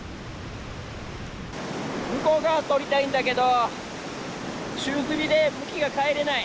向こう側撮りたいんだけど宙づりで向きが変えれない。